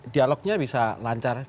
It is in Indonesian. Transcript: dialognya bisa lancar